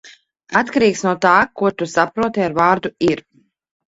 Atkarīgs no tā, ko tu saproti ar vārdu "ir".